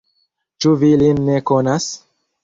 Ĉu vi lin ne konas?